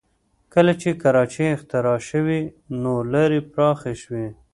کله چې کراچۍ اختراع شوې نو لارې پراخه شوې